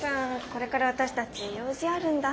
これから私たち用事あるんだ。